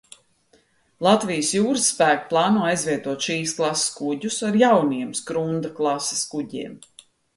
"Latvijas Jūras spēki plāno aizvietot šīs klases kuģus ar jauniem "Skrunda" klases kuģiem."